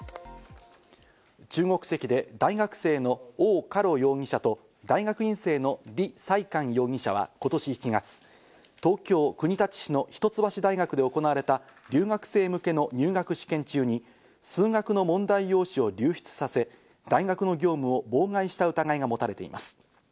中国籍で大学生のオウ・カロ容疑者と大学院生のリ・サイカン容疑者は今年１月、東京・国立市の一橋大学で行われた留学生向けの入学試験中に、数学の問題用紙を流出させ、大学の業務を妨害した疑いが持たれています。